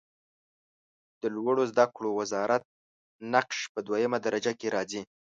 د لوړو زده کړو وزارت نقش په دویمه درجه کې راځي.